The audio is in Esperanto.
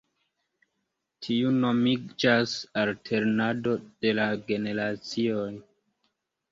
Tiu nomiĝas alternado de la generacioj.